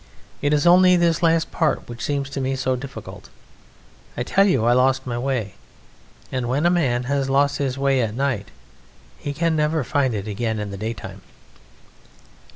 It is only this last part which seems to me so difficult.... I tell you I lost my way, and when a man has lost his way at night he can never find it again in the daytime."